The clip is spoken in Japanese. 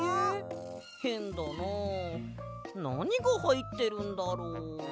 へんだななにがはいってるんだろ？